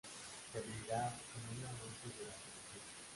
Se abrirá en una noche durante la gira.